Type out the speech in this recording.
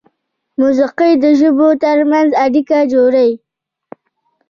موسیقي د ژبو تر منځ اړیکه جوړوي.